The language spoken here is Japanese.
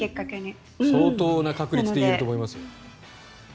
相当な確率で言えると思いますよ。